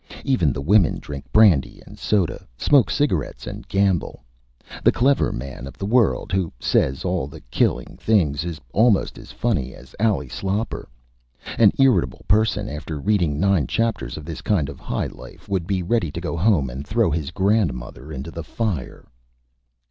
Even the Women drink Brandy and Soda, smoke Cigarettes, and Gamble. The clever Man of the World, who says all the Killing Things, is almost as Funny as Ally Sloper. An irritable Person, after reading nine Chapters of this kind of High Life, would be ready to go Home and throw his Grandmother into the Fire.